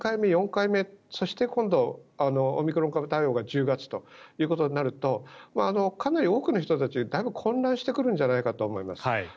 ４回目そして、今度オミクロン株対応が１０月ということになるとかなり多くの人たちがだいぶ混乱してくるんじゃないかと思います。